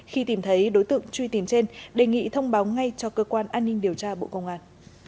khi tìm thấy đối tượng truy tìm trên đề nghị thông báo ngay cho cơ quan an ninh điều tra bộ công an